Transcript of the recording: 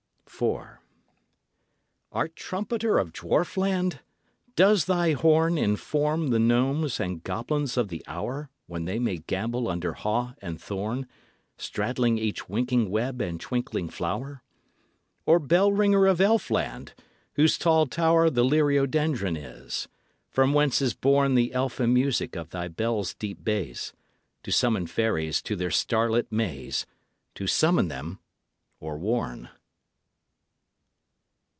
IV. Art trumpeter of Dwarfland? does thy horn Inform the gnomes and goblins of the hour When they may gambol under haw and thorn, Straddling each winking web and twinkling flower? Or bell ringer of Elfland? whose tall tower The liriodendron is? from whence is borne The elfin music of thy bell's deep bass, To summon fairies to their starlit maze, To summon them or warn.